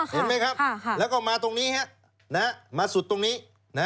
เห็นไหมครับแล้วก็มาตรงนี้มาสุดตรงนี้